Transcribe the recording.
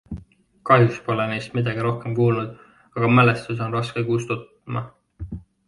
Kahjuks pole neist midagi rohkem kuulnud, aga mälestus on raske kustuma.